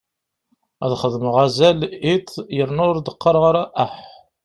Ad xedmeɣ azal iḍ yerna ur d-qqareɣ ara aḥ.